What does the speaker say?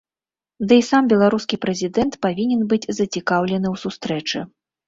Ды і сам беларускі прэзідэнт павінен быць зацікаўлены ў сустрэчы.